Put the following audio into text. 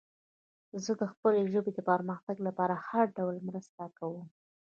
زه د خپلې ژبې د پرمختګ لپاره هر ډول مرسته کوم.